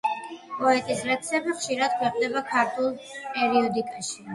პოეტის ლექსები ხშირად ქვეყნდებოდა ქართულ პერიოდიკაში.